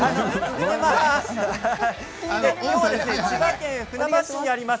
千葉県船橋市にあります